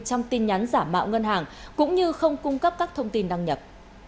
trong tin nhắn giả mạo ngân hàng cũng như không cung cấp các thông tin đăng nhập